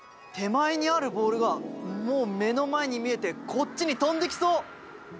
手前にあるボールがもう目の前に見えてこっちに飛んできそう！